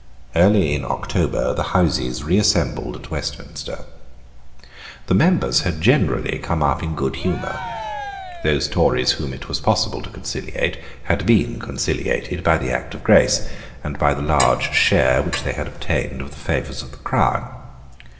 Early in October the Houses reassembled at Westminster. The members had generally come up in good humour. Those Tories whom it was possible to conciliate had been conciliated by the Act of Grace, and by the large share which they had obtained of the favours of the Crown.